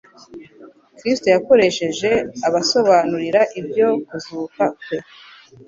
Kristo yakoresheje abasobanurira ibyo kuzuka kwe.